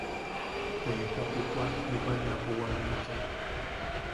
Te jita pupuan Jubuaniapo wam bicha.